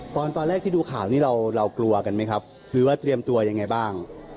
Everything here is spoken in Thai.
ตอนแรกที่ดูข่าวนี้เรากลัวกันไหมครับหรือว่าเตรียมตัวยังไงบ้าง